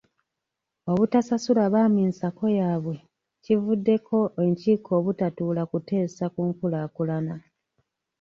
Obutasasula baami nsako yaabwe kivuddeko enkiiko obutatuula kuteesa ku nkulaakulana